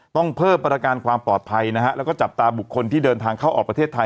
ต้องเพิ่มประการความปลอดภัยนะฮะแล้วก็จับตาบุคคลที่เดินทางเข้าออกประเทศไทย